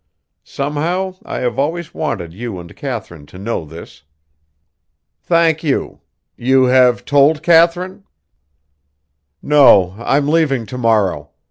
Somehow, I have always wanted you and Katharine to know this." "Thank you. You have told Katharine?" "No, I'm leaving to morrow.